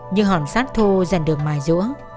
như hòn sát thô dần được mài rũa